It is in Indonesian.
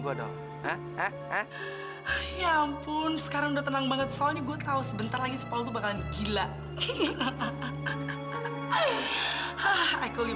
kamu harus bisa menerima kenyataan